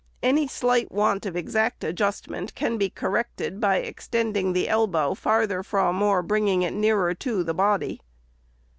Any slight want of exact adjustment can be corrected, by extending the elbow farther from, or bringing it nearer to, the body.